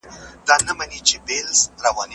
که طبقاتي واټن له منځه لاړ سي خلګ به هوسا سي.